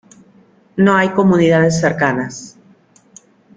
No hay comunidades cercanas.